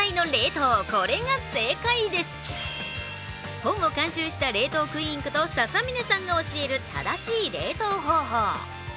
本を監修した冷凍クイーンこと笹嶺さんの教える正しい冷凍方法。